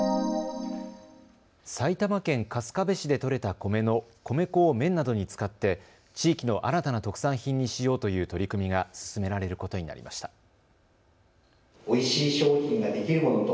埼玉県春日部市でとれた米の米粉を麺などに使って地域の新たな特産品にしようという取り組みが進められることになりました。